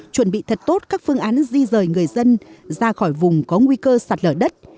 chuẩn bị thật tốt các phương án di rời người dân ra khỏi vùng có nguy cơ sạt lở đất